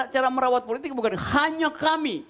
cara merawat politik bukan hanya kami